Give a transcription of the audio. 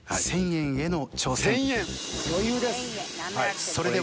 １、０００円への挑戦。